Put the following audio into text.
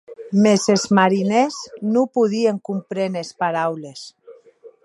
Mès es marinèrs non podien compréner es paraules.